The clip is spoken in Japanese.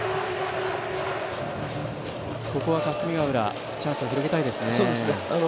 ここは霞ヶ浦チャンスを広げたいですね。